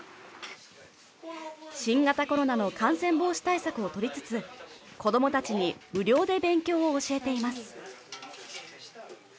新型コロナの感染防止対策を取りつつ子どもたちに無料で勉強を教えています。